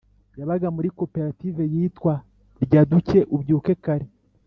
Yabaga muri cooperative yitwa (rya duke ubyuke kare)